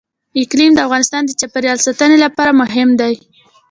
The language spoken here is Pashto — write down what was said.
اقلیم د افغانستان د چاپیریال ساتنې لپاره مهم دي.